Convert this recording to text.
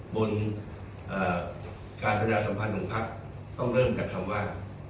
บนการกระดาษสัมพันธ์ของพรรคต้องเริ่มกับคำว่า